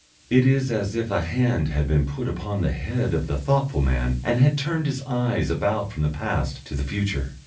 It is as if a hand had been put upon the head of the thoughtful man and had turned his eyes about from the past to the future.